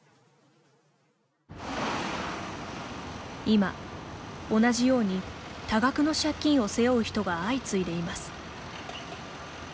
今、同じように多額の借金を背負う人が相次いでいます。